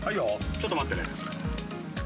ちょっと待ってね。